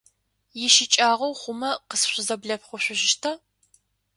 Ищыкӏагъэу хъумэ, къысфызэблэшъухъужьыщта?